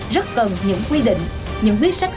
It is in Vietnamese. rất cần những quy định những quyết sách